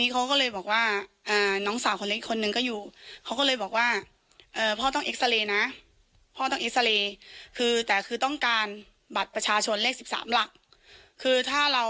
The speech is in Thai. ฟังเสียงลูกสาวคนโตเล่าหน่อยค่ะ